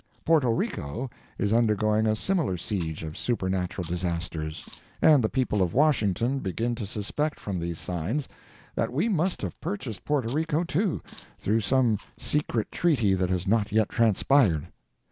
Porto Rico is undergoing a similar siege of supernatural disasters, and the people of Washington begin to suspect, from these signs, that we must have purchased Porto Rico too, through some secret treaty that has not yet transpired.